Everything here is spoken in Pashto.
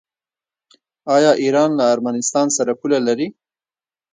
آیا ایران له ارمنستان سره پوله نلري؟